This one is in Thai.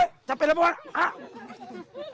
โอ๊ยจับเป็นแล้วพวก